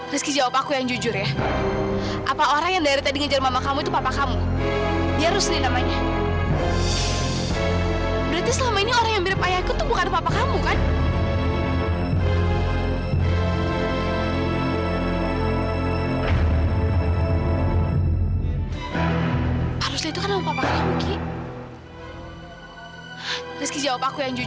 rizky jawab aku yang jujur ya